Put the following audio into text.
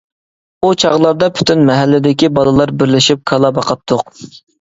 ئۇ چاغلاردا پۈتۈن مەھەللىدىكى بالىلار بىرلىشىپ كالا باقاتتۇق.